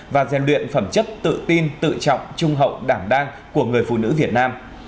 và gian luyện phẩm chất tự tin tự trọng trung hậu đảm đang của người phụ nữ việt nam